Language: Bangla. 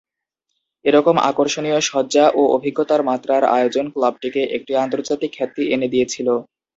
এরকম আকর্ষণীয় সজ্জা ও অভিজ্ঞতার মাত্রার আয়োজন ক্লাবটিকে একটি আন্তর্জাতিক খ্যাতি এনে দিয়েছিলো।